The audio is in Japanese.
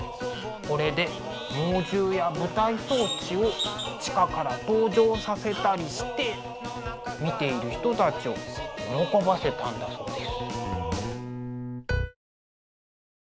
これで猛獣や舞台装置を地下から登場させたりして見ている人たちを喜ばせたんだそうです。